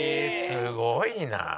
すごいなあ。